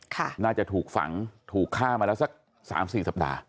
ค่ะน่าจะถูกฝังถูกฆ่ามาแล้วสัก๓๔สัปดาห์